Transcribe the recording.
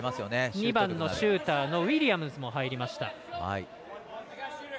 ２番のシューターのウィリアムズも入りました。